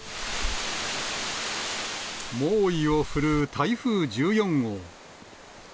猛威を振るう台風１４号。